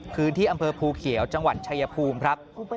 พื้นที่อำเภอภูเขียวจังหวัดชายภูมิครับ